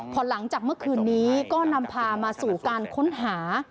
พอหลังจากเมื่อคืนนี้ก็นำพามาสู่การค้นหา